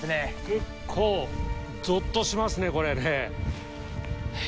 結構、ぞっとしますね、これね。